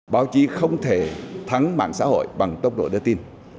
báo chí không thể thắng mạng xã hội bằng tốc độ đưa tin